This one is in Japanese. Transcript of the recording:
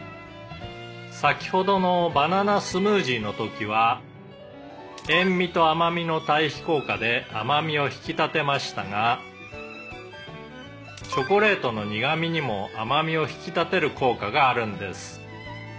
「先ほどのバナナスムージーの時は塩味と甘味の対比効果で甘味を引き立てましたがチョコレートの苦味にも甘味を引き立てる効果があるんです」